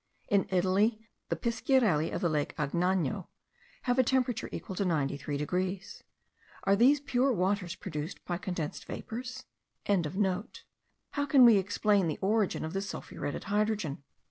In Italy, the Pisciarelli of the lake Agnano have a temperature equal to 93 degrees. Are these pure waters produced by condensed vapours?) How can we explain the origin of the sulphuretted hydrogen?